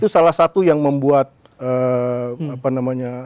itu salah satu yang membuat apa namanya